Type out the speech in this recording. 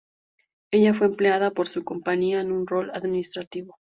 Ella fue empleada por su compañía en un rol administrativo.